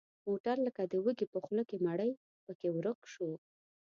موټر لکه د وږي په خوله کې مړۍ پکې ورک شو.